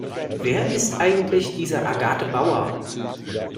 Wer ist eigentlich diese Agathe Bauer?